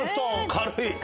軽い。